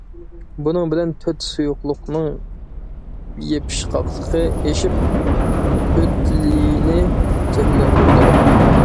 بۇنىڭ بىلەن ئۆت سۇيۇقلۇقىنىڭ يېپىشقاقلىقى ئېشىپ، ئۆت لېيىنى شەكىللەندۈرىدۇ.